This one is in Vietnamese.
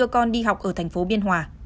còn đi học ở thành phố biên hòa